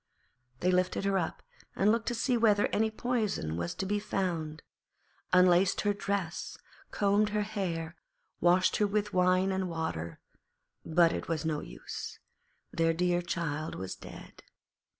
They lifted her up and looked to see whether any poison was to be found, unlaced her dress, combed her hair, washed her with wine and water, but it was no use; their dear child was dead.